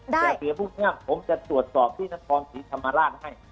แต่เกี่ยวพูดง่ายผมจะตรวจสอบที่นัตรภรณ์ศรีชะมาราชให้